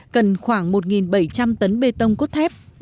cần khoảng một bảy trăm linh tấn bê tông cốt thép